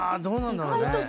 どうなんだろうね。